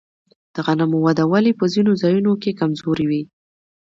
د غنمو وده ولې په ځینو ځایونو کې کمزورې وي؟